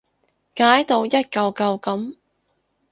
解到一舊舊噉